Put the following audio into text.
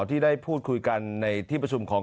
ที่ได้พูดคุยกันในที่ประชุมของ